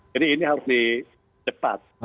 jadi ini harus dikepat